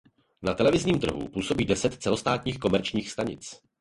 Na televizním trhu působí deset celostátních komerčních stanic.